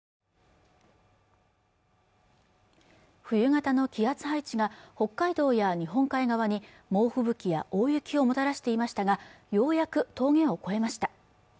冬型の気圧配置が北海道や日本海側に猛吹雪や大雪をもたらしていましたがようやく峠を越えました